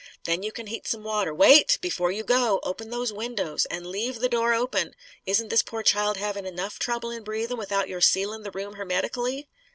Then you can heat some water. Wait! Before you go, open those windows. And leave the door open. Isn't this poor child having enough trouble in breathing; without your sealing the room hermetically?"